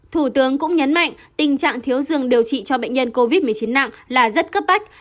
thủ tướng cũng nhấn mạnh tình trạng thiếu dường điều trị cho bệnh nhân covid một mươi chín nặng là rất cấp bách